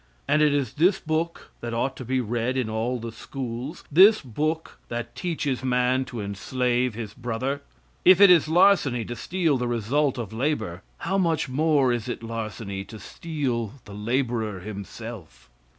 And it is this book that ought to be read in all the schools this book that teaches man to enslave his brother! If it is larceny to steal the result of labor, how much more is it larceny to steal the laborer himself?